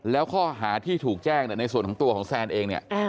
แล้วข้อหาที่ถูกแจ้งในส่วนของตัวของแซนเองเนี่ย